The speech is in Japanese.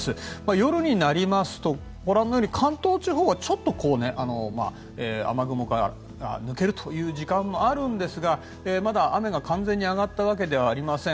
夜になりますと、関東地方はちょっと雨雲から抜ける時間もあるんですが、まだ雨が完全に上がったわけではありません。